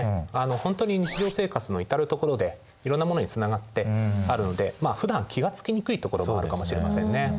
本当に日常生活の至る所でいろんなものにつながってあるのでふだん気が付きにくいところがあるかもしれませんね。